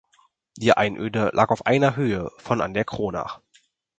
Die Einöde lag auf einer Höhe von an der Kronach.